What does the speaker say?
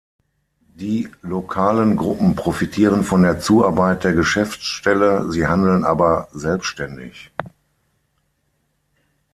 Die lokalen Gruppen profitieren von der Zuarbeit der Geschäftsstelle, sie handeln aber selbständig.